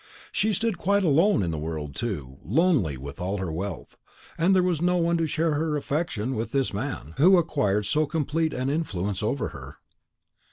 She stood quite alone in the world too, lonely with all her wealth, and there was no one to share her affection with this man, who had acquired so complete an influence over her.